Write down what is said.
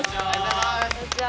こんにちは。